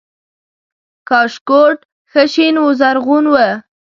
کاشکوټ ښه شین و زرغون و